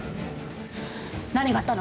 何があったの？